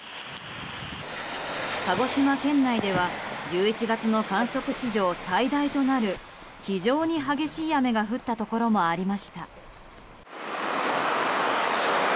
鹿児島県内では１１月の観測史上最大となる非常に激しい雨が降ったところもありました。